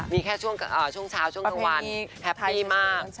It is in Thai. มีแค่ช่วงเช้าช่วงกลางวันแฮปปี้มาก